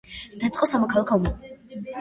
დაიწყო სამოქალაქო ომი.